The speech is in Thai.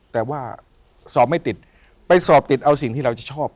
แต่ว่าสอบไม่ติดไปสอบติดเอาสิ่งที่เราจะชอบ